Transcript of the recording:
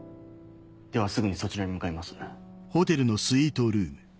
ではすぐにそちらに向かいます。